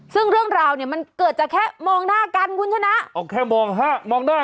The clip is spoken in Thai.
ส่วนเรื่องมันเกิดจากแค่มองหน้ากันกวนชนะ